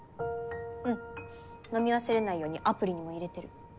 うん飲み忘れないようにアプリにも入れてる。